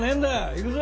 行くぞ！